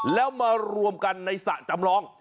แล้วมารวมกันในสระจำลอง